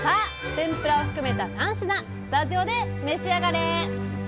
天ぷらを含めた３品スタジオで召し上がれ！